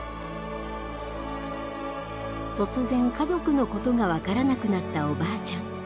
突然家族のことが分からなくなったおばあちゃん。